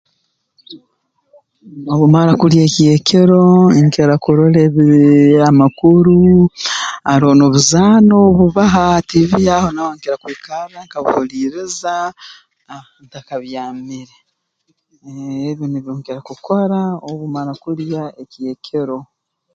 Obu mmara kulya eky'ekiro nkira kurora ebi amakuru haroho n'obuzaano obubaho ha tiivi aho nkira kwikarra nkabuhuliiriza aa ntakabyamire eeh ebi nibyo nkira kukora obu mmara kulya eky'ekiro